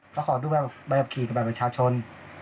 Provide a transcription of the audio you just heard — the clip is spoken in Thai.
เขากอดดูแบบคีย์แบบประชาชน